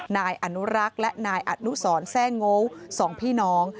นายอนุรักษ์และนายอนุสรแทร่งโง่สองพี่น้อง